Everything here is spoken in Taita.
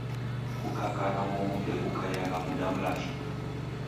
Kukaka na momu nde kukaiagha muda mlacha.